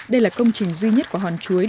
đây là công trình duy nhất của hòn chuối